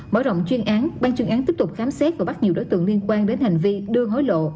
mở rộng chuyên án ban chứng án tiếp tục khám xét và bắt nhiều đối tượng liên quan đến hành vi đưa hối lộ